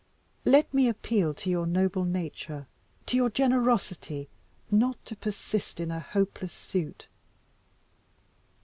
Let me appeal to your noble nature to your generosity not to persist in a hopeless suit."